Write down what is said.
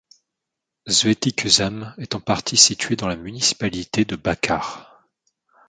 Sveti Kuzam est en partie situé dans la municipalité de Bakar.